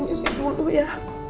permisi dulu ya